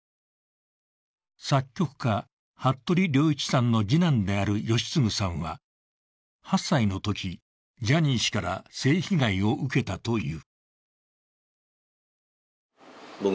作曲家、服部良一さんの次男である吉次さんは、８歳のとき、ジャニー氏から性被害を受けたという。